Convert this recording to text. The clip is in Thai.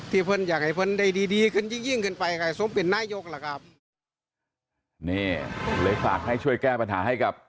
ที่เพื่อนอยากให้เพื่อนได้ดีขึ้นยิ่งขึ้นไปค่ะสมเป็นนายกล่ะครับ